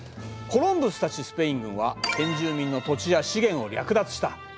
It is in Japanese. コロンブスたちスペイン軍は先住民の土地や資源を略奪した。